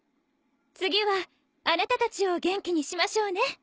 次はあなたたちを元気にしましょうね。